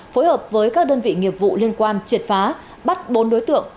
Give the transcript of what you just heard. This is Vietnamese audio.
phối hợp với các đơn vị nghiệp vụ liên quan triệt phá bắt bốn đối tượng